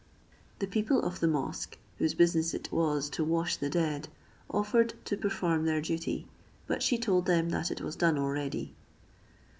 The people of the mosque, whose business it was to wash the dead, offered to perform their duty, but she told them that it was done already.